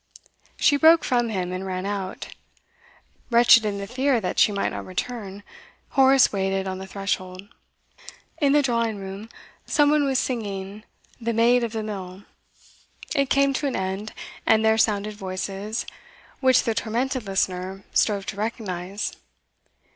She broke from him, and ran out. Wretched in the fear that she might not return, Horace waited on the threshold. In the drawing room some one was singing 'The Maid of the Mill.' It came to an end, and there sounded voices, which the tormented listener strove to recognise.